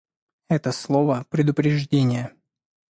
Это слово — «предупреждение».